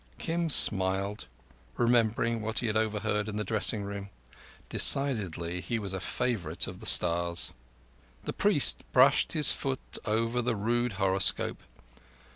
Kim smiled, remembering what he had overheard in the dressing room. Decidedly he was a favourite of the stars. The priest brushed his foot over the rude horoscope.